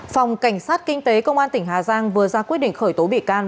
phòng cảnh sát kinh tế công an tỉnh hà giang vừa ra quyết định khởi tố bị can